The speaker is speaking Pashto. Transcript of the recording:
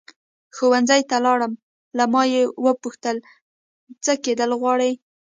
ښوونځي ته لاړم له ما یې وپوښتل څه کېدل غواړې.